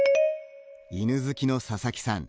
犬好きの佐々木さん。